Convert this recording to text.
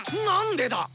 何でだ